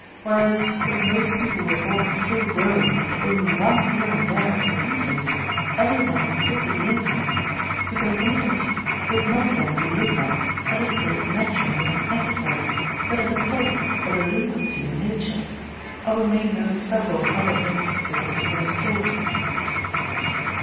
Whereas, if most people were born full grown and only one here and there as an infant, everyone would pity the infants; because infancy would not then be looked on as a state natural and necessary, but as a fault or delinquency in Nature; and we may note several other instances of the same sort.